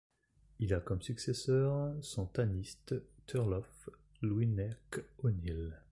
Il a comme successeur son taniste Turlough Luineach O'Neill.